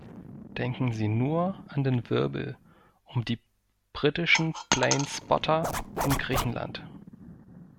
Denken Sie nur an den Wirbel um die britischen Plane Spotter in Griechenland.